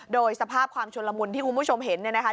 โดยสภาพความชุนละมุนที่คุณผู้ชมเห็นเนี่ยนะคะ